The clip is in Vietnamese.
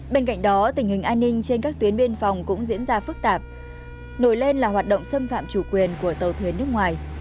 bên cạnh đó tình hình an ninh trên các tuyến biên phòng cũng diễn ra phức tạp nổi lên là hoạt động xâm phạm chủ quyền của tàu thuyền nước ngoài